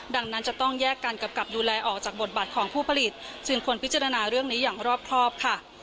ดังนั้นจะต้องแยกกันกำกับดูแลออกจากบทบาทของผู้ผลิตจึงควรพิจารณาเรื่องนี้อย่างรอบครอบค่ะ